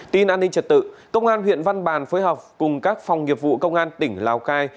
tin an ninh trật tự công an huyện văn bàn phối hợp cùng các phòng nghiệp vụ công an tỉnh lào cai